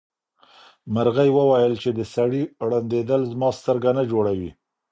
مرغۍ وویل چې د سړي ړندېدل زما سترګه نه جوړوي.